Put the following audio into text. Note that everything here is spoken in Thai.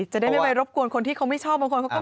จะได้ไม่ไปรบกวนคนที่เขาไม่ชอบบางคนเขาก็